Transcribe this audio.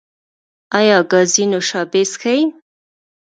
ایا ګازي نوشابې څښئ؟